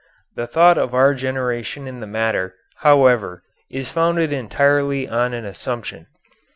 The thought of our generation in the matter, however, is founded entirely on an assumption.